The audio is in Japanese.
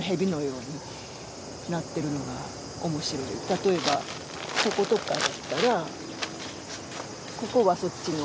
例えばこことかだったらここはそっちの枝じゃないですか。